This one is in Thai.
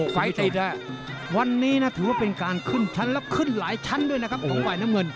ไฟติดวันนี้นะถือว่าเป็นการขึ้นชั้นแล้วขึ้นหลายชั้นด้วยนะครับของฝ่ายน้ำเงิน